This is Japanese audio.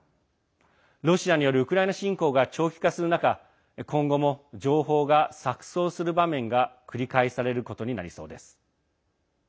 ロシアによるウクライナ侵攻が長期化する中今後も情報が錯そうする場面が繰り返されることになりそうです。